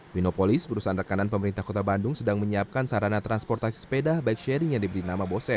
winopolis perusahaan rekanan pemerintah kota bandung sedang menyiapkan sarana transportasi sepeda bike sharing yang diberi nama bose